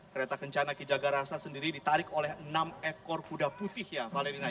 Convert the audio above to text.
kereta kencana ki jagarasa sendiri ditarik oleh enam ekor kuda putih ya valerina